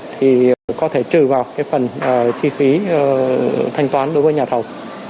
thì có thể trừ vào cái phần chi phí thanh toán đối với nhà thầu